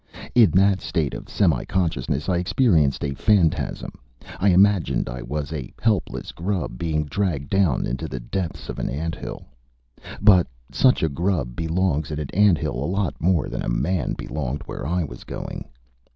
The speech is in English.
In that state of semiconsciousness, I experienced a phantasm. I imagined I was a helpless grub being dragged down into the depths of an ant hill. But such a grub belongs in an ant hill a lot more than a man belonged where I was going.